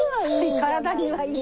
体にはいい。